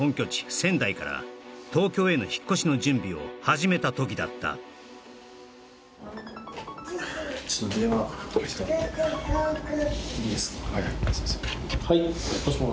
仙台から東京への引っ越しの準備を始めた時だったすいません